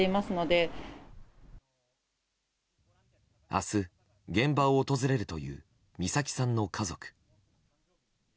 明日、現場を訪れるという美咲さんの家族。